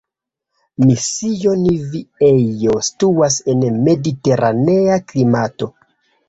Mission Viejo situas en mediteranea klimato.